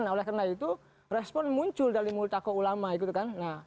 oleh karena itu respon muncul dari multaqo ulama' itu kan